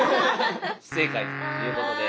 不正解ということで。